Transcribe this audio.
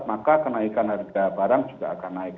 maka kenaikan harga barang juga akan naik